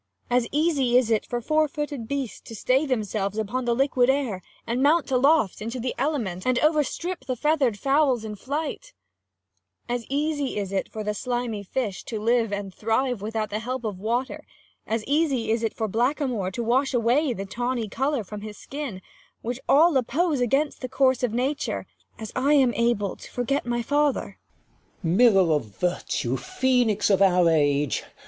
35 As easy is it for four footed beasts, To stay themselves upon the liquid air, And mount aloft into the element, And overstrip the feather'd fowls in flight : 52 KING LEIR AND [Acr IV As easy is it for the slimy fish, 40 To live and thrive without the help of water : As easy is it for the blackamoor, To wash the tawny colour from his skin, Which all oppose against the course of nature : As I am able to forget my father. 45 King. Mirror of virtue, Phoenix of our age